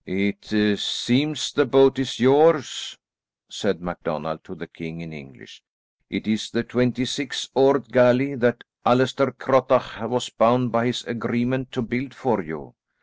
"It seems the boat is yours," said MacDonald to the king in English. "It is the twenty six oared galley that Allaster Crottach was bound by his agreement to build for you.